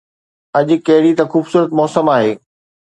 اڄ ڪهڙي نه خوبصورت موسم آهي